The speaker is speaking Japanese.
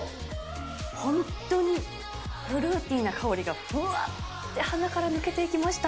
本当にフルーティーな香りがふわっと鼻から抜けていきました。